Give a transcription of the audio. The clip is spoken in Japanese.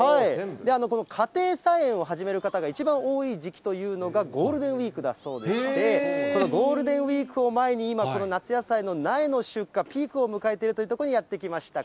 家庭菜園を始める方が一番多い時期というのがゴールデンウィークだそうでして、そのゴールデンウィークを前に今、この夏野菜の苗の出荷、ピークを迎えているという所にやって来ました。